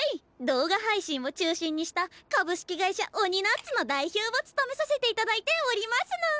動画配信を中心にした株式会社オニナッツの代表を務めさせて頂いておりますの。